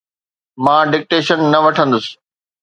مان ڊڪٽيشن نه وٺندس.